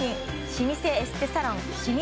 老舗エステサロンシミ